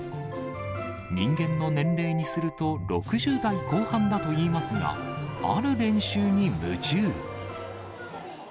人間の年齢にすると６０代後半だといいますが、ある練習に夢中。